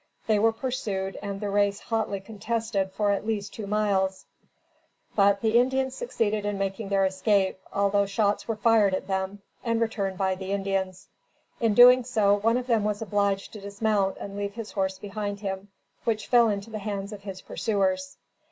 They were pursued and the race hotly contested for at least two miles; but, the Indians succeeded in making their escape, although shots were fired at them, and returned by the Indians. In doing so, one of them was obliged to dismount and leave his horse behind him, which fell into the hands of his pursuers.